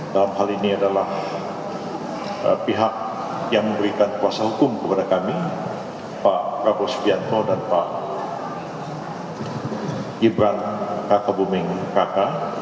dalam hal ini adalah pihak yang memberikan kuasa hukum kepada kami pak prabowo subianto dan pak gibran kakak buming kakak